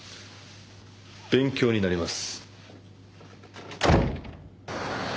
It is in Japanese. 勉強になります。